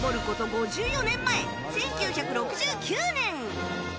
５４年前、１９６９年。